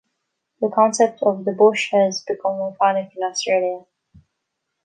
The concept of "the bush" has become iconic in Australia.